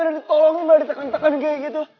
bukan ada ditolongin malah ditekan tekan kayak gitu